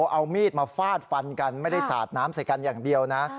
เอามีดมาฟาดฟันกันไม่ได้สาดน้ำใส่กันอย่างเดียวนะ